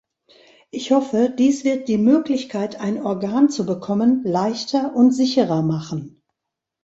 Ich hoffe, dies wird die Möglichkeit, ein Organ zu bekommen, leichter und sicherer machen.